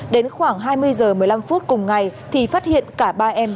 đến khoảng hai mươi h một mươi năm phút cùng ngày thì phát hiện cả bố con đã đuối nước thương tâm